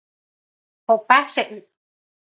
Opa che y.